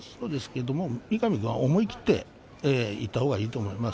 三上は思い切っていった方がいいと思います。